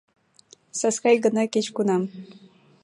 Саскай гына кеч-кунам